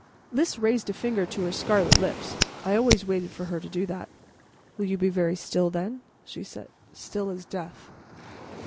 Lys raised a finger to her scarlet lips. I always waited for her to do that. "Will you be very still, then?" she said. "Still as death."